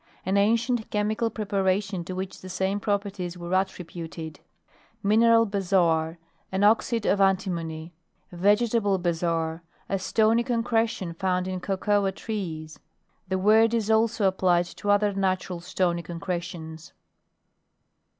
An an cient chemical preparation to which the same properties were attributed. Mineral Bezoar, an oxyd of anti mony. Vegetable bezoar, a stony concretion found in cocoa trees. The word is also applied to other natural etony concretions.